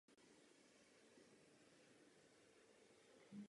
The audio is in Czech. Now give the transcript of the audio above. Zároveň je však nejhustěji osídlenou provincií v Toskánsku.